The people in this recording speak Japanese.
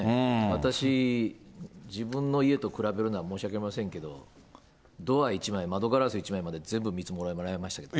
私、自分の家と比べるのは申し訳ありませんけど、ドア１枚、窓ガラス１枚まで全部見積もりもらいましたけどね。